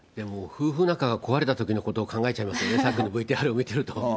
夫婦仲が壊れたときのことを考えちゃいますよね、さっきのＶＴＲを見てると。